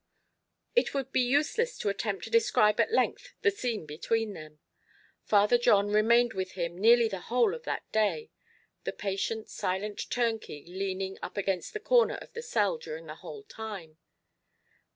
It would be useless to attempt to describe at length the scene between them. Father John remained with him nearly the whole of that day, the patient, silent turnkey leaning up against the corner of the cell during the whole time.